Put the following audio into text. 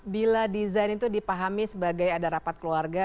bila desain itu dipahami sebagai ada rapat keluarga